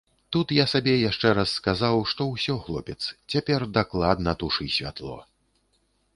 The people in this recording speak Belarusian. Тут я сабе яшчэ раз сказаў, што ўсё, хлопец, цяпер дакладна тушы святло.